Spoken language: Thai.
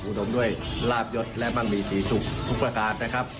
ดมด้วยลาบยศและมั่งมีศรีสุขทุกประการนะครับ